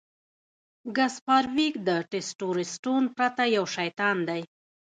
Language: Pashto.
ګس فارویک د ټسټورسټون پرته یو شیطان دی